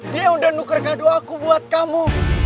dia udah nuker kado aku buat kamu